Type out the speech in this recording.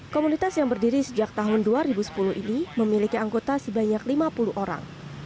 komunitas yang berdiri sejak tahun dua ribu sepuluh ini memiliki anggota sebanyak lima puluh orang